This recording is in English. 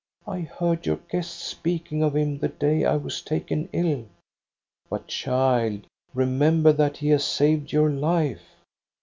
'"' I heard your guests speaking of him the day I was taken ill. '"' But, child, remember that he has saved your life!'